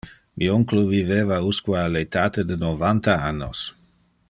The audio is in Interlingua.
Mi oncle viveva usque al etate de novanta annos.